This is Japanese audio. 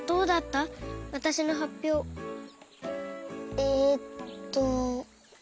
えっと。